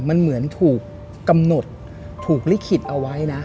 มันเหมือนถูกกำหนดถูกลิขิตเอาไว้นะ